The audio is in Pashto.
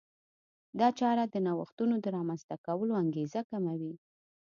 دا چاره د نوښتونو د رامنځته کولو انګېزه کموي.